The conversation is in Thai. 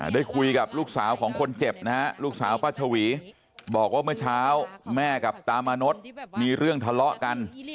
ได้คุยกับลูกสาวของคนเจ็บนะฮะลูกสาวป้าชวีบอกว่าเมื่อเช้าแม่กับตามานดมีเรื่องทะเลาะกัน